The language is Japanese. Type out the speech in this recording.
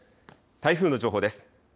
台風の情報です。